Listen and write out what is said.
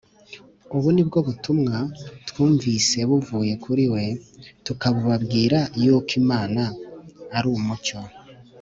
Ubu ni bwo butumwa twumvise buvuye kuri we tukabubabwira, yuko Imana ari umucyo